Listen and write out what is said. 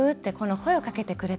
声をかけてくれた。